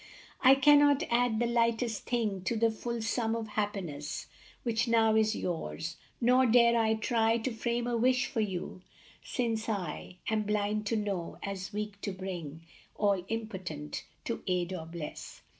I cannot add the lightest thing To the full sum of happiness Which now is yours ; nor dare I try To frame a wish for you, since I Am blind to know, as weak to bring, All impotent to aid or bless.